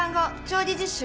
調理実習？